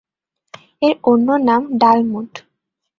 এর অন্য নাম ডালমুট।